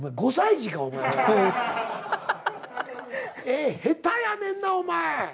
絵下手やねんなお前。